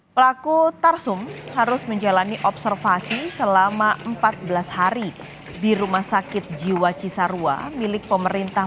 pelaku tarsum harus menjalani observasi selama empat belas hari di rumah sakit jiwa cisarua milik pemerintah